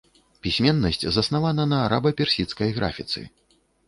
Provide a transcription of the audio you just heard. Пісьменнасць заснавана на араба-персідскай графіцы.